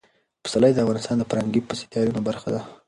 پسرلی د افغانستان د فرهنګي فستیوالونو برخه ده.